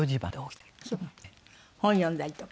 本読んだりとか？